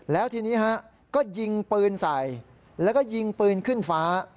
แล้วทีนี้ฮะก็ยิงปืนใส่แล้วก็ยิงปืนขึ้นฟ้า